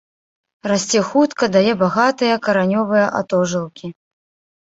Расце хутка, дае багатыя каранёвыя атожылкі.